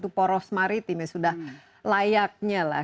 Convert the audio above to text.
itu poros maritim sudah layaknya lah